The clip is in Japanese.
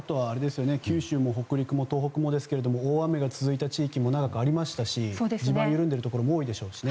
九州も北陸も東北も大雨が続いた地域も長くありましたし地盤が緩んでいるところも多いでしょうしね。